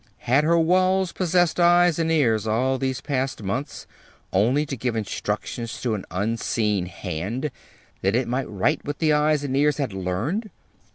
Had her walls possessed eyes and ears all these past months, only to give instructions to an unseen hand that it might write what the eyes and ears had learned?